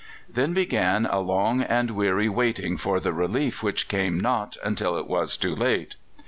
Then began a long and weary waiting for the relief which came not until it was too late.